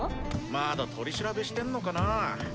まだ取り調べしてんのかな？